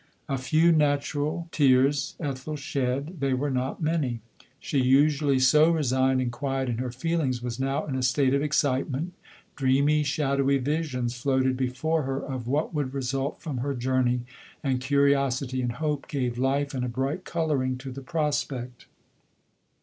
A few natural tears Ethel shed — they were not many. She, usually so resigned and quiet in her feelings, was now in a state of excitement : dreamy, shadowy visions floated before her of 68 lodore. what would result from her journey, and curio sity and hope gave life and a bright colouring to the prospect.